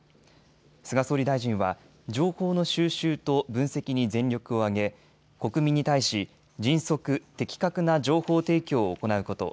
菅総理大臣は情報の収集と分析に全力を挙げ、国民に対し迅速・的確な情報提供を行うこと。